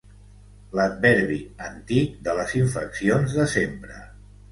L'adverbi antic de les infeccions de sempre.